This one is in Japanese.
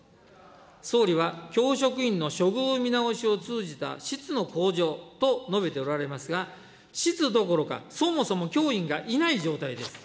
総理は教職員の処遇見直しを通じた質の向上と述べておられますが、質どころか、そもそも教員がいない状態です。